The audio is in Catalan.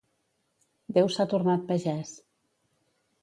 Déu s'ha tornat pagès.